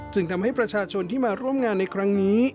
ทำให้ประชาชนที่มาร่วมงานในครั้งนี้